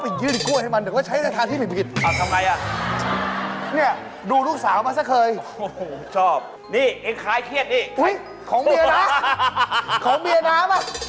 ผัวหนูมีหนูดูมีเขาพี่กลัว